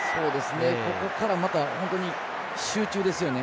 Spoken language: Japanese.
ここからまた本当に集中ですよね。